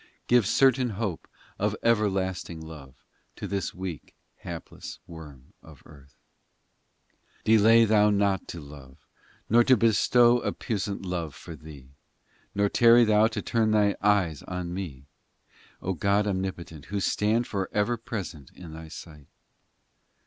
Give certain hope Of everlasting love To this weak, hapless worm of earth 1 308 POEMS XVII Delay Thou not to love Nor to bestow a puissant love for Thee, Nor tarry Thou to turn Thine eyes on me, O God omnipotent, Who stand for ever present in Thy sight